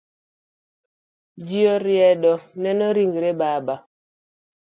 Ji oriedo neno ringre baba.